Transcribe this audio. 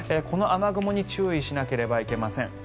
この雨雲に注意しなければいけません。